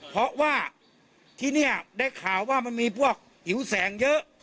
เพราะว่าที่นี่ได้ข่าวว่ามันมีพวกหิวแสงเยอะ